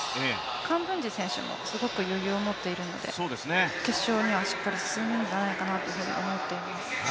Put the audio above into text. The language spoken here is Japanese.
カンブンジ選手もすごく余裕を持っているので、決勝にはしっかり進むんじゃないかなと思っています。